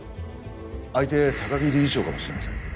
相手高木理事長かもしれません。